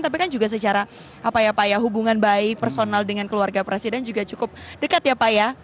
tapi kan juga secara apa ya pak ya hubungan baik personal dengan keluarga presiden juga cukup dekat ya pak ya